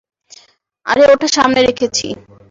আরে ওটা সামনে রেখেছি।